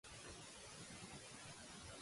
La peça escollida és escrita per un nazi.